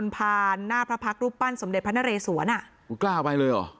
ผ่านหน้าพระพักษรูปปั้นสมเด็จพระนเรสวนอ่ะอุ้ยกล้าไปเลยเหรอ